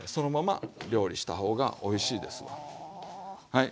はい。